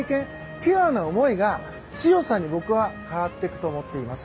ピュアな思いが強さに変わっていくと思っています。